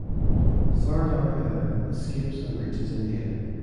Sardar however escapes and reaches India.